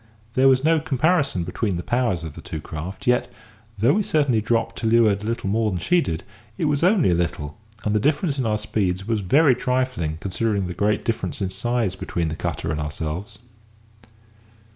There was no comparison between the powers of the two craft, yet, though we certainly dropped to leeward a little more than she did, it was only a little; and the difference in our speeds was very trifling, considering the great difference in size between the cutter and ourselves.